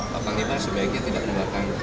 pak panglima sebaiknya tidak menelakan